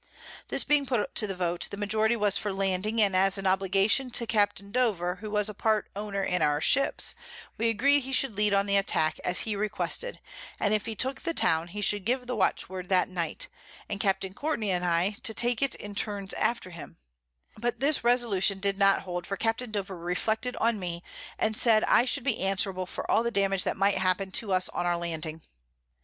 This being put to the Vote, the Majority was for landing, and as an Obligation on Capt. Dover, who was a part Owner in our Ships, we agreed he should lead on the Attack as he requested, and if he took the Town, he should give the Watchword that Night, and Capt. Courtney and I to take it in turns after him: But this Resolution did not hold; for Capt. Dover reflected on me, and said I should be answerable for all the Damage that might happen to us on our Landing.